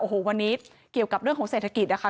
โอ้โหวันนี้เกี่ยวกับเรื่องของเศรษฐกิจนะคะ